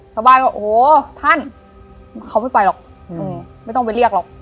ชาวบ้านก็โอ้โหท่านเขาไม่ไปหรอกไม่ต้องไปเรียกหรอก